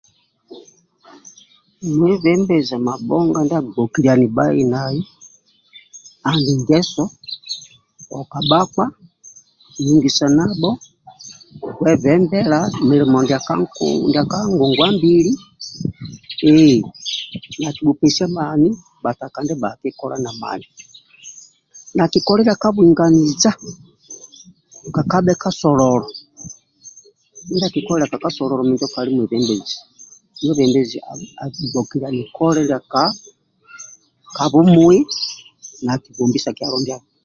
Mwebembezi mabhonga ndia agbokiliani bhai nai andi ngeso oka bhakpa lungisanabho kwebembela mulimo ndia nka nkungu ngongwa mbili ehh nakibhupesia bhani bhataka ndibhaki kola na mani nakikoloila ka bwinganiza ndia kakabhe ka kasololo mindia akikolilia ka kasololo minjo kandi mwebembezi mwebembezi agbokiliani ka bumui nakibombisa kikalo ndiaki